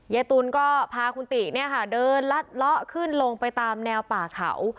ยายตุ๋นก็พาคุณติเนี่ยค่ะเดินลัดเลาะขึ้นลงไปตามแนวป่าเขา